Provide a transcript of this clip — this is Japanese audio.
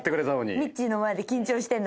ミッチーの前で緊張してんだ。